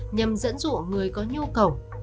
nhằm dẫn dụ người có nhu cầu